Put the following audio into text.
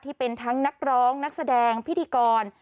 ที่เป็นทั้งนักร้องนักแสดงพิธีกร